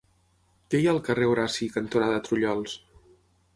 Què hi ha al carrer Horaci cantonada Trullols?